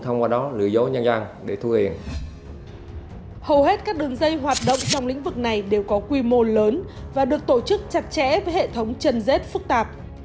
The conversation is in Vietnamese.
hầu hết các đường dây hoạt động trong lĩnh vực này đều có quy mô lớn và được tổ chức chặt chẽ với hệ thống chân dết phức tạp